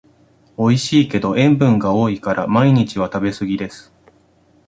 おいしいけど塩分が多いから毎日は食べすぎです